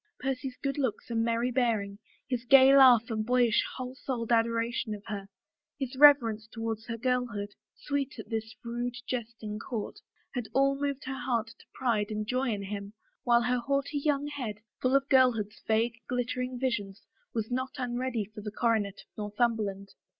Percy's good looks and merry bearing, his gay laugh and boyish, whole souled adoration of her, and his reverence toward her girlhood — sweet at this rude, jesting court — had all moved her heart to pride and joy in him, while her haughty young head, full of girlhood's vague, glittering 13 THE FAVOR OF KINGS visions, was not unready for the coronet of Northumber land.